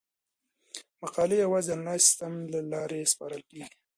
مقالې یوازې د انلاین سیستم له لارې سپارل کیږي.